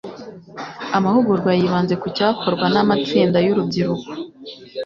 amahugurwa yibanze ku cyakorwa n'amatsinda y'urubyiruko